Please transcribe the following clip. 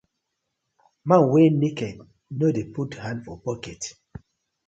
Man wey naked no dey put hand for pocket:.